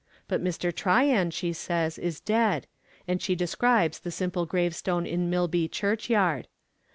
But Mr. Tryan, she says, is dead; and she describes the simple gravestone in Milby churchyard.